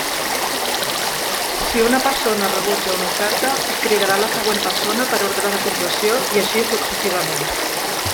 Si una persona rebutja una oferta, es cridarà la següent persona per ordre de puntuació, i així successivament.